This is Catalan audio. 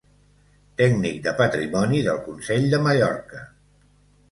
Tècnic de patrimoni del Consell de Mallorca.